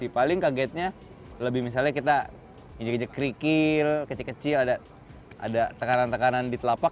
paling kagetnya lebih misalnya kita ngejek ngejek kerikil kecil kecil ada tekanan tekanan di telapak